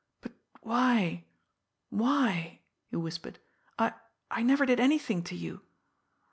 "But why why?" he whispered. "I I never did anything to you."